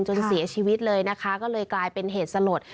จนเสียชีวิตเลยนะคะก็เลยกลายเป็นเหตุสลด